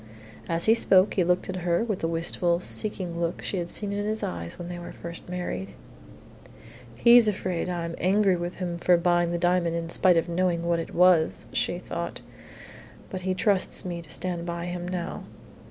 As he spoke he looked at her with the wistful, seeking look she had seen in his eyes when they were first married. "He's afraid I'm angry with him for buying the diamond in spite of knowing what it was," she thought, "but he trusts me to stand by him now."